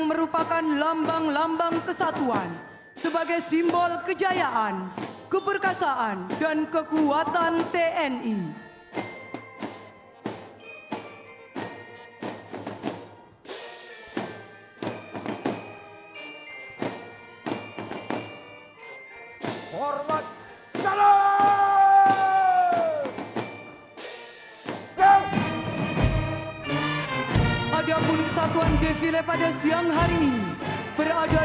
menyusul kemudian batalion polisi militer tni yang terdiri dari pompi pomat pompi pomal dan pompi pomau